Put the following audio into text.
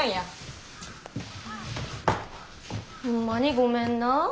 ホンマにごめんなあ。